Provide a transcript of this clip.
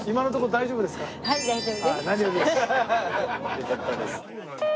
よかったです。